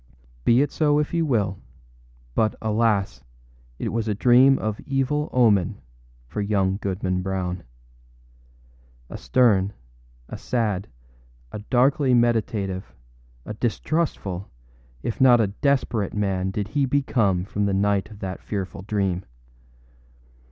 Be it so if you will; but, alas! it was a dream of evil omen for young Goodman Brown. A stern, a sad, a darkly meditative, a distrustful, if not a desperate man did he become from the night of that fearful dream.